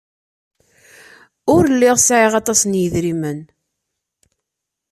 Ur lliɣ sɛiɣ aṭas n yedrimen.